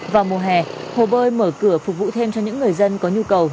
vào mùa hè hồ bơi mở cửa phục vụ thêm cho những người dân có nhu cầu